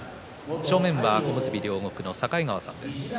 正面の小結両国の境川さんです。